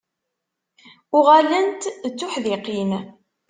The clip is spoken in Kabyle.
Uɣalent d tuḥdiqin.